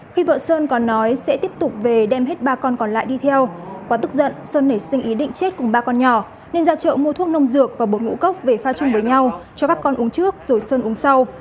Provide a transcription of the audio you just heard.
khi vợ sơn còn nói sẽ tiếp tục về đem hết ba con còn lại đi theo quá tức giận sơn nảy sinh ý định chết cùng ba con nhỏ nên ra chợ mua thuốc nông dược và một ngũ cốc về pha chung với nhau cho các con uống trước rồi sơn uống sau